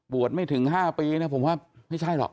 ไม่ถึง๕ปีนะผมว่าไม่ใช่หรอก